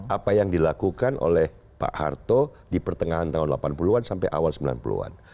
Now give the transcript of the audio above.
apa yang dilakukan oleh pak harto di pertengahan tahun delapan puluh an sampai awal sembilan puluh an